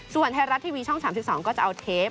ส่วนไทยรัฐทีวีช่อง๓๒ก็จะเอาเทป